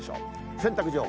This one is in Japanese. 洗濯情報。